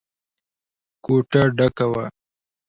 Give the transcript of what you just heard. کوټه ډکه وه.